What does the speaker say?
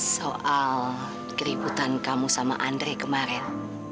soal keributan kamu sama andre kemarin